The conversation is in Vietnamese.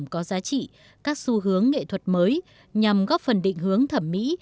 các tác phẩm có giá trị các xu hướng nghệ thuật mới nhằm góp phần định hướng thẩm mỹ